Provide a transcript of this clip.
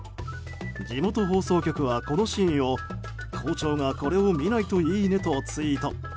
地元放送局はこのシーンを校長がこれを見ないといいねとツイート。